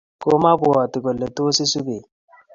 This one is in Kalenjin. Koma bwoti kole tos isubech